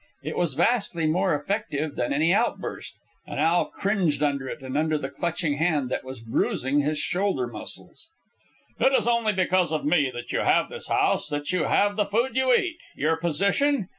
It was vastly more effective than any outburst, and Al cringed under it and under the clutching hand that was bruising his shoulder muscles. "It is only because of me that you have this house, that you have the food you eat. Your position?